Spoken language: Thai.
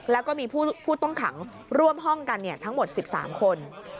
แล้วก็มีผู้ต้องขังร่วมห้องกันทั้งหมด๑๓คน